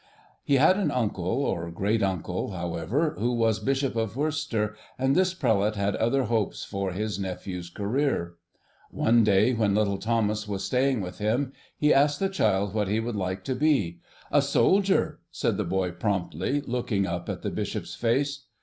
He had an uncle, or great uncle, however, who was Bishop of Worcester, and this Prelate had other hopes for his nephew's career. One day, when little Thomas was staying with him, he asked the child what he would like to be. 'A soldier,' said the boy promptly, looking up in the Bishop's face.